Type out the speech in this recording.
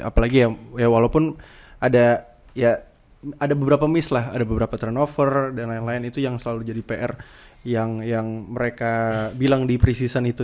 apalagi ya walaupun ada ya ada beberapa miss lah ada beberapa turnover dan lain lain itu yang selalu jadi pr yang mereka bilang di pres season itu